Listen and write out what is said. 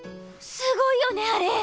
すごいよねあれ。